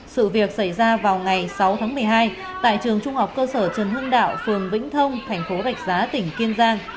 sự việc xảy ra vào ngày sáu tháng một mươi hai tại trường trung học cơ sở trần hưng đạo phường vĩnh thông thành phố rạch giá tỉnh kiên giang